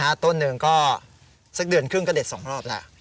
ต้นหนึ่งก็สักเดือนครึ่งก็เด็ดสองรอบแล้ว